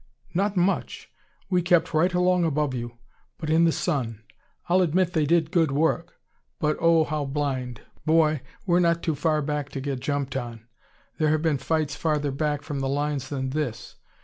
"Not much! We kept right along above you, but in the sun. I'll admit they did good work, but oh, how blind! Boy, we're not too far back to get jumped on. There have been fights farther back from the lines than this.